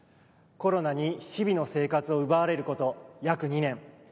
コロナに日々の生活を奪われること約２年。